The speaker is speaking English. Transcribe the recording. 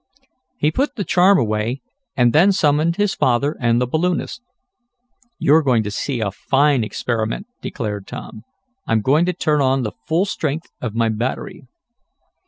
He put the charm away, and then summoned his father and the balloonist. "You're going to see a fine experiment," declared Tom. "I'm going to turn on the full strength of my battery."